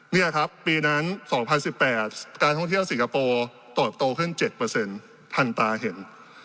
นี่ครับปีนั้น๒๐๑๘การท่องเที่ยวสิงคโปร์เติบโตขึ้น๗ทันตาเห็น